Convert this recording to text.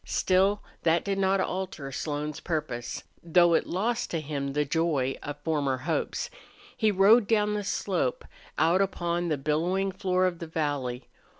Still that did not alter Slone's purpose, though it lost to him the joy of former hopes. He rode down the slope, out upon the billowing floor of the valley.